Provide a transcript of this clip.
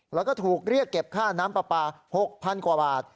แล้วก็ถูกเรียกเก็บค่าน้ำปลาปลา๖๐๐๐กว่าบาท